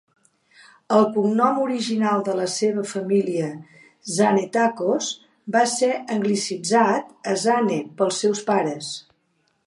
El cognom original de la seva família, "Zanetakos", va ser anglicitzat a "Zane" pels seus pares.